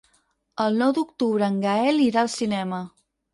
El nou d'octubre en Gaël irà al cinema.